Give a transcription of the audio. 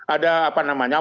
ada apa namanya